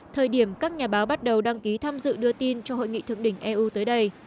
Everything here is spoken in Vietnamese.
thời điểm các nhà báo bắt đầu đăng ký tham dự đưa tin cho hội nghị thượng đỉnh eu tới đây